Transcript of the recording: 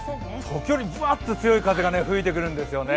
時折ぶわって強い風が吹いてくるんですよね。